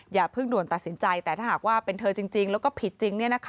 อย่าเพิ่งด่วนตัดสินใจแต่ถ้าหากว่าเป็นเธอจริงแล้วก็ผิดจริง